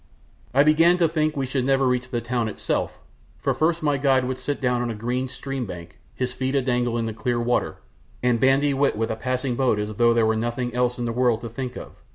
I began to think we should never reach the town itself, for first my guide would sit down on a green stream bank, his feet a dangle in the clear water, and bandy wit with a passing boat as though there were nothing else in the world to think of.